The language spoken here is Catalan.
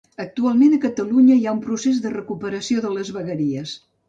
Actualment a Catalunya hi ha un procés de recuperació de les vegueries.